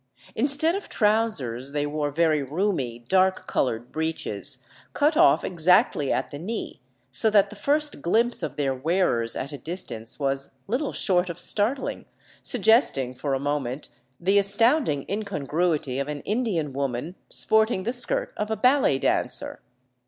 Instead of trousers they wore very roomy, dark col ored breeches, cut off exactly at the knee, so that the first glimpse of their wearers at a distance was little short of startling, suggesting for a moment the astounding incongruity of an Indian woman sporting the skirt of a ballet dancer.